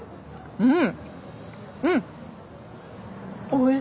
うん！